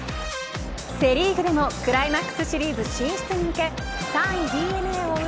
セ・リーグでもクライマックスシリーズ進出に向け３位ＤｅＮＡを追う